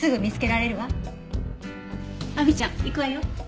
亜美ちゃん行くわよ。